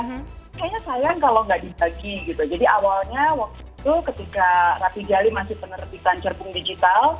kayaknya sayang kalau nggak dibagi gitu jadi awalnya waktu itu ketika rapi jali masih penerbitan cerbung digital